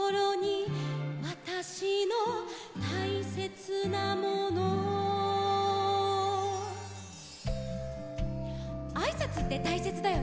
「わたしのたいせつなもの」あいさつってたいせつだよね。